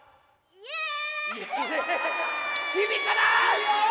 イエーイ！